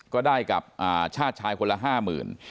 ก็ได้กับชาติชายคนละ๕๐๐๐บาท